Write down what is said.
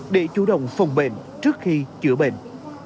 để chủ động phòng bệnh trước khi chữa bệnh